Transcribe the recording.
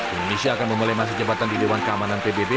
indonesia akan memulai masa jabatan di dewan keamanan pbb